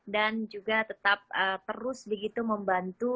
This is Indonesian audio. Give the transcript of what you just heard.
juga tetap terus begitu membantu